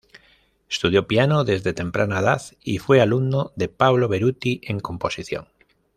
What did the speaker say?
Estudió piano desde temprana edad y fue alumno de Pablo Beruti en composición.